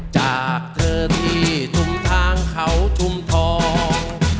จากเธอที่ชุมทางเขาชุมทอง